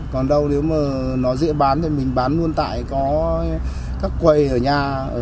còn đâu nếu mà nó dễ bán thì mình bán luôn tại có các quầy ở nhà